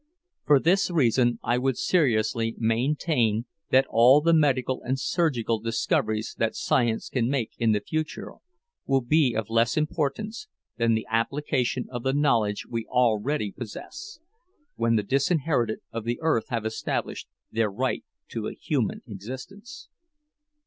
For this reason I would seriously maintain that all the medical and surgical discoveries that science can make in the future will be of less importance than the application of the knowledge we already possess, when the disinherited of the earth have established their right to a human existence."